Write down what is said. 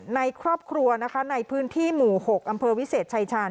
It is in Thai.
ในครอบครัวนะคะในพื้นที่หมู่๖อำเภอวิเศษชายชาญ